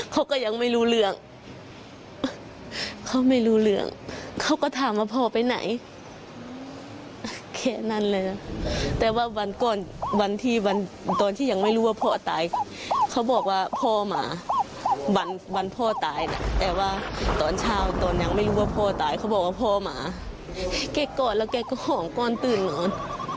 เกาะแล้วแกก็หอมก่อนตื่นเหมือน